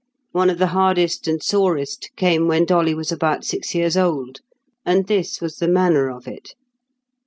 One of the hardest and sorest came when Dolly was about six years old. And this was the manner of it.